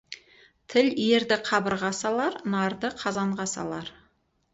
Тіл ерді қабырға салар, нарды қазанға салар.